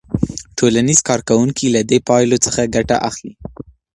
ټولنیز کارکوونکي له دې پایلو څخه ګټه اخلي.